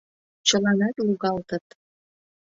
Чыланат лугалтыт.